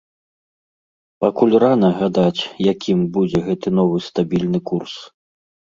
Пакуль рана гадаць, якім будзе гэты новы стабільны курс.